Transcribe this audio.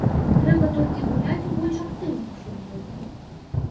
Трэба толькі гуляць у больш актыўны футбол.